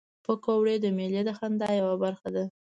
پکورې د میلې د خندا یوه برخه ده